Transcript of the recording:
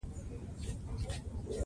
په افغانستان کې د بامیان تاریخ اوږد دی.